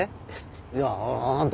いやあんた。